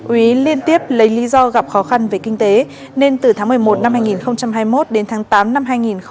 úy liên tiếp lấy lý do gặp khó khăn về kinh tế nên từ tháng một mươi một năm hai nghìn hai mươi một đến tháng tám năm hai nghìn hai mươi ba